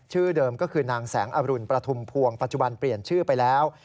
ชื่อเดิมก็คือนางแสงอรุณประทุมพวงปัจจุบันเปลี่ยนชื่อไปแล้ว